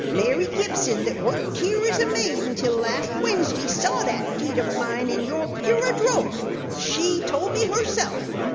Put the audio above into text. Mary Gibson that worked out here as maid until last Wednesday saw that deed o' mine in your bureau drawer. She told me herself!"